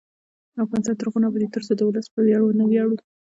افغانستان تر هغو نه ابادیږي، ترڅو د ولس په ویاړ ونه ویاړو.